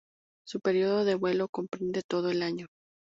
Su periodo de vuelo comprende todo el año.